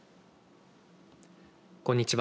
こんにちは。